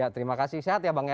terima kasih sehat ya bang ya